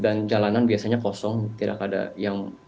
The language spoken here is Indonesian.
dan jalanan biasanya kosong tidak ada yang